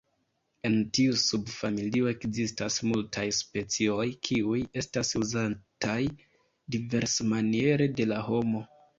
En tiu subfamilio ekzistas multaj specioj, kiuj estas uzataj diversmaniere de la homo.